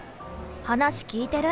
話聞いてる？